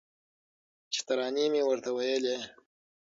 چي ترانې مي ورته ویلې